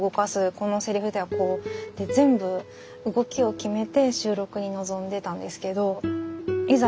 このセリフではこうって全部動きを決めて収録に臨んでたんですけどいざ